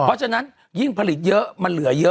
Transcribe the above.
เพราะฉะนั้นยิ่งผลิตเยอะมันเหลือเยอะ